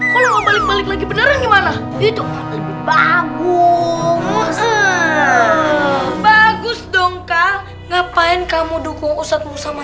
kalau balik balik lagi beneran gimana itu bagus bagus dong kak ngapain kamu dukung ustadz musa